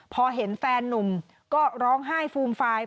พอเห็นแฟนนุ่มก็ร้องไห้ฟูมฟาย